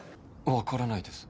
わからないです。